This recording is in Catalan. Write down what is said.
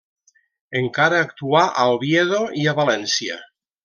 Encara actuà a Oviedo i a València.